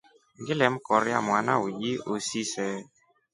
Ngile mkorya mwana uji usise.